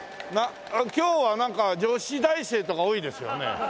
今日はなんか女子大生とか多いですよね。